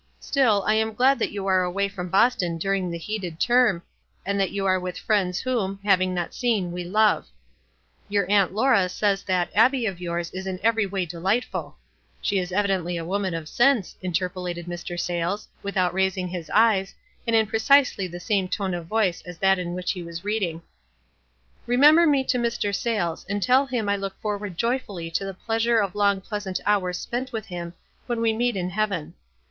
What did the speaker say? Stili, I am glad that you arc away from Boston during the heated term, and that you are with friends whom, * having not seen, we love.' Your Aunt Laura says that Abbie of yours is in every way delightful." ("She is evidently a woman of sense," interpolated Mr. Sayles, with out raising his eyes, and in precisely the same tone of voice as that in which he was reading.) WISE AND OTHERWISE. 191 "Remember me to Mr. Sayles, and tell turn I look forward joj'fully to the pleasure of long pleasant hours spent with him when we meet in heaven.